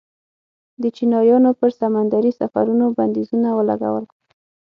د چینایانو پر سمندري سفرونو بندیزونه ولګول.